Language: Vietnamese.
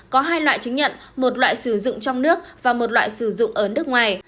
có hai loại chứng nhận một loại sử dụng trong nước và một loại sử dụng ở nước ngoài